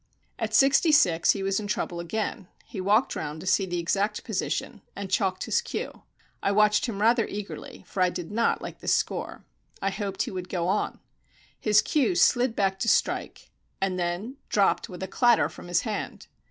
At sixty six he was in trouble again; he walked round to see the exact position, and chalked his cue. I watched him rather eagerly, for I did not like the score. I hoped he would go on. His cue slid back to strike, and then dropped with a clatter from his hand.